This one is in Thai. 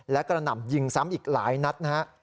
และกระหน่ำยิงซ้ำอีกหลายนัดนะฮะ